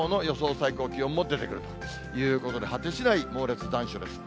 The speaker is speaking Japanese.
最高気温も出てくるということで、果てしない猛烈残暑です。